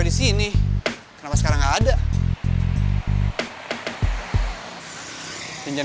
dachte pertama kali reagan